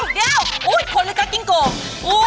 อู้วเดี๋ยวโอ้ยคนละกัลกิ้งโกไม่มาก